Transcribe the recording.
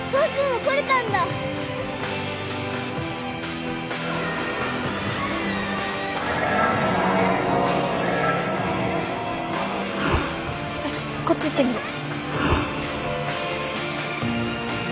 わたしこっち行ってみる。